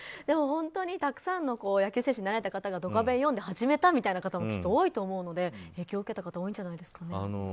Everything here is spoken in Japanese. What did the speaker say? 本当にたくさんの野球選手になられた方が「ドカベン」を読んで始めたみたいな方もきっと多いと思うので影響受けた方多いんじゃないですかね。